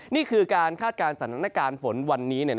นี่คือการถ้าสะนัดฆาตฝนวันนี้